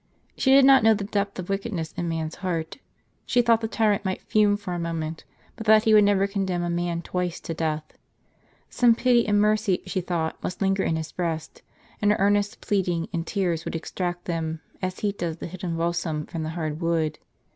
She did not know the depth of wickedness in man's heart. She thought the tyrant might fume for a moment, but that he would never condemn a man twice to death. Some pity and mercy, she thought, must linger in his breast ; and her earnest pleading and tears would extract them, as heat does the hidden balsam from the hard wood.